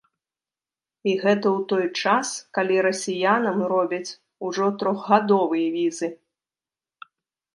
І гэта ў той час, калі расіянам робяць ужо трохгадовыя візы!